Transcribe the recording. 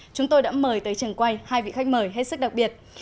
chúng tôi đã mời tới trường quay hai vị khách mời hết sức đặc biệt